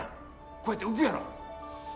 こうやって浮くやろ？